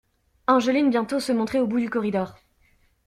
Angeline bientôt se montrait au bout du corridor.